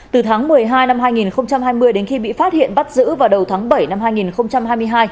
từ tháng một mươi hai năm hai nghìn hai mươi đến khi bị phát hiện bắt giữ vào đầu tháng bảy năm hai nghìn hai mươi hai